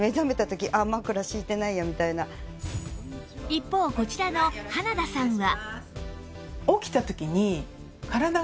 一方こちらの花田さんは